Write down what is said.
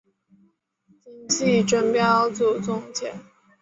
今季争标组总结。